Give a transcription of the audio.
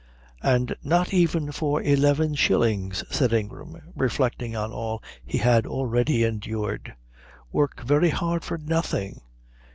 "And not even for eleven shillings," said Ingram, reflecting on all he had already endured. "Work very hard for nothing."